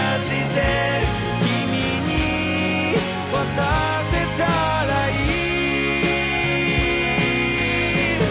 「君に渡せたらいい」